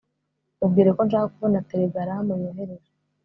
mubwire ko nshaka kubona telegaramu yohereje